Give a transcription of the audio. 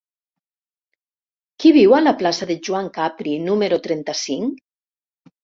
Qui viu a la plaça de Joan Capri número trenta-cinc?